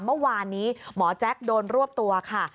เมื่อวานนี้หมอแจ๊คโดนรวบตัวค่ะ